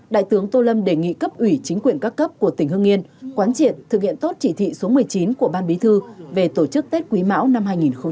đại tướng tô lâm đề nghị cấp ủy chính quyền các cấp của tỉnh hưng yên quán triệt thực hiện tốt chỉ thị số một mươi chín của ban bí thư về tổ chức tết quý mão năm hai nghìn hai mươi